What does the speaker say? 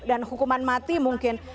dan hukuman mati mungkin